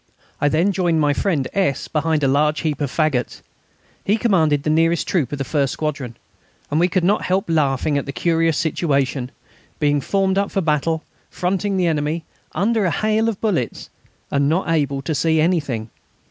I then joined my friend S. behind a large heap of faggots: he commanded the nearest troop of the first squadron, and we could not help laughing at the curious situation being formed up for battle, fronting the enemy, under a hail of bullets, and not able to see anything.